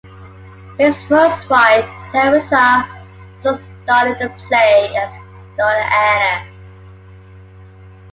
His first wife Theresa also starred in the play as “Donna Anna”.